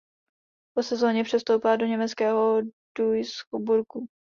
Po sezóně přestoupila do německého Duisburgu.